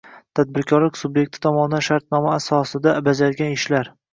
Tadbirkorlik sub’ekti tomonidan shartnoma asosida bajargan ishlar